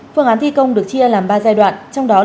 phương án thi công được chia làm ba giai đoạn